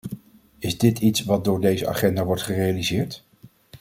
Is dit iets wat door deze agenda wordt gerealiseerd?